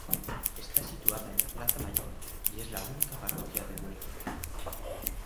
Está situada en la plaza mayor y es la única parroquia del municipio.